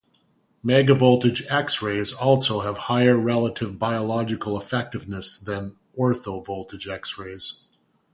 Megavoltage x-rays also have higher relative biological effectiveness than orthovoltage x-rays.